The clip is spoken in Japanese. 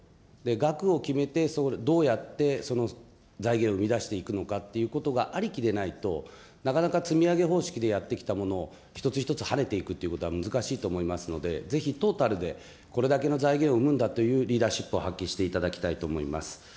額を決めて、どうやってその財源を生み出していくのかということがありきでないと、なかなか積み上げ方式でやってきたものを、一つ一つはねていくということは難しいと思いますので、ぜひトータルで、これだけの財源を生むんだというリーダーシップを発揮していただきたいと思います。